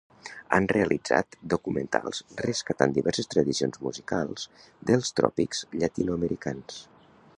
Han realitzat documentals rescatant diverses tradicions musicals dels tròpics llatinoamericans.